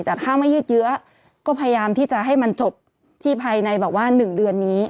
แต่ถ้าไม่ยืดเยื้อก็พยายามที่จะให้มันจบที่ภายในแบบว่า๑เดือนนี้